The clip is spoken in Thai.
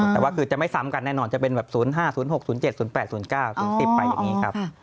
แต่ว่าจะไม่ซ้ำกันแน่นอนจะเป็น๐๕๐๖๐๗๐๘๐๙๑๐ไปแบบนี้ครับ